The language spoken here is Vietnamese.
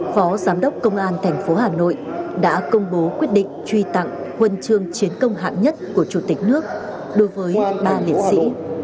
phó giám đốc công an thành phố hà nội đã công bố quyết định truy tặng huân chương chiến công hạng nhất của chủ tịch nước đối với ba liệt sĩ